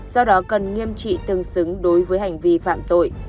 do đó cần nghiêm trị tương xứng đối với hành vi phạm tội